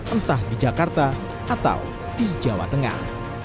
entah di jakarta atau di jawa tengah